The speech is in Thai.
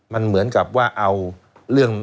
มันเหมือนกับว่าเอาเรื่อง